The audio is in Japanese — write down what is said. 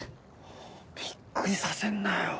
びっくりさせんなよ